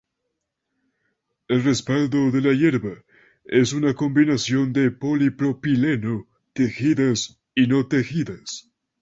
El respaldo de la hierba es una combinación de polipropileno tejidas y no tejidas.